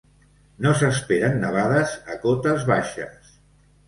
No s’esperen nevades a cotes baixes.